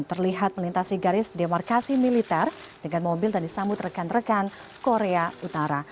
terlihat melintasi garis demarkasi militer dengan mobil dan disambut rekan rekan korea utara